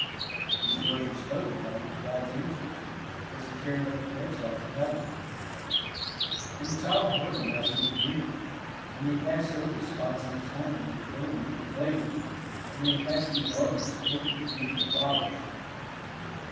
These words were spoken by one of God's angels, as he carried up a dead child to heaven, 109 110 THE WILD ROSE and the child heard hini as in a dream; and they passed over the spots in his home where the little one had played, and they passed through gardens filled with beautiful flowers.